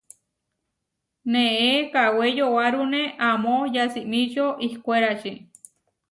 Neé kawé yowárune amó yasimičio ihkwérači.